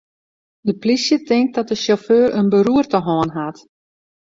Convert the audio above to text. De polysje tinkt dat de sjauffeur in beroerte hân hat.